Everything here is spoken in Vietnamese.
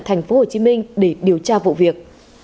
thành phố hồ chí minh để điều tra vụ việc